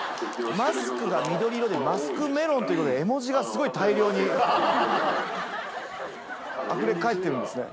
マスクが緑色でマスクメロンということで絵文字がすごい大量にあふれかえってるんですね